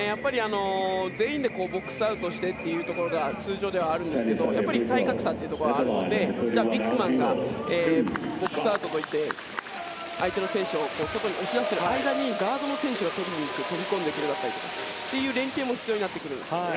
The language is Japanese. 全員でボックスアウトしてというところが通常ではあるんですが体格差があるのでビッグマンがボックスアウトといって相手の選手を外に押し出す間にガードの選手が飛び込んでくるだったりとかそういう連係も必要になってくるんですよね。